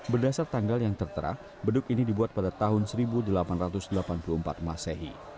berdasar tanggal yang tertera beduk ini dibuat pada tahun seribu delapan ratus delapan puluh empat masehi